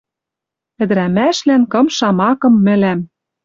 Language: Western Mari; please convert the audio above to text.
Ӹдӹрӓмӓшлӓн кым шамакым мӹлӓм